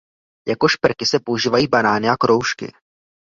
Jako šperky se používají banány a kroužky.